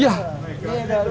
mahal bisa jadi